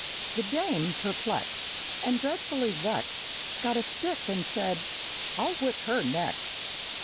The dame, perplexed And dreadfully vexed, Got a stick and said, "I'll whip her next!"